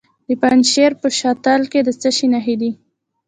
د پنجشیر په شتل کې د څه شي نښې دي؟